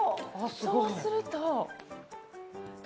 そうすると。